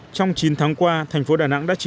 trong chín tháng qua tp đà nẵng đã chỉ